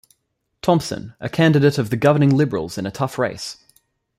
Thompson a candidate of the governing Liberals in a tough race.